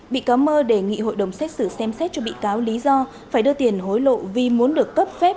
bị cáo mơ đề nghị hội đồng xét xử xem xét cho bị cáo lý do phải đưa tiền hối lộ vì muốn được cấp phép